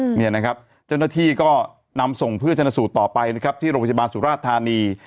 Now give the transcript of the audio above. เจ้าหน้าที่ก็นำส่งเพื่อเช่นสู่ต่อไปที่โรงพยาบาลสุราษฐานี